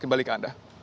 kembali ke anda